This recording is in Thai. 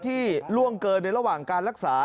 ล่วงเกินในระหว่างการรักษา